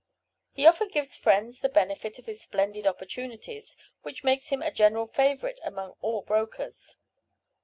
He often gives friends the benefit of his splendid opportunities, which makes him a general favorite among all brokers.